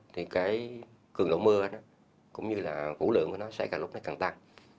thì cái cường lộ mưa cũng như là vũ lượng của nó sẽ càng lúc càng tăng